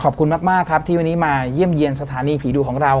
ขอบคุณมากครับที่วันนี้มาเยี่ยมเยี่ยมสถานีผีดุของเรา